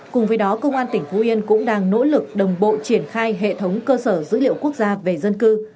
cùng với đó công an tỉnh phú yên cũng đang nỗ lực đồng bộ triển khai hệ thống cơ sở dữ liệu quốc gia về dân cư